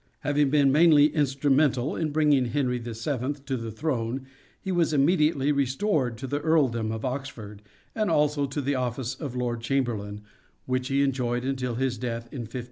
Having been mainly instrumental in bringing Henry (VII) to the throne he was immediately restored to the 149 Earldom of Oxford, and also to the office of Lord Chamberlain which he enjoyed until his death in 1513."